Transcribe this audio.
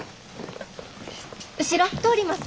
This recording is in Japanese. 後ろ通ります。